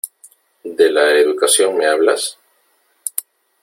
¿De la educación me hablas?